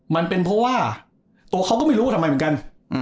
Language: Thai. มันเป็นเพราะว่าตัวเขาก็ไม่รู้ทำไมเหมือนกัน